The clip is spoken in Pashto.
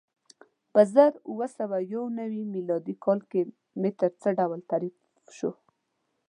په زر اووه سوه یو نوې میلادي کال کې متر څه ډول تعریف شو؟